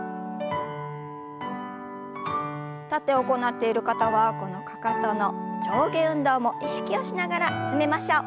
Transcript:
立って行っている方はこのかかとの上下運動も意識をしながら進めましょう。